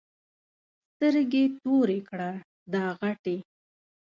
سترګې تورې کړه دا غټې.